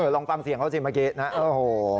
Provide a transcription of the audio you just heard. ลองฟังเสียงเขาสิเมื่อกี้นะโอ้โห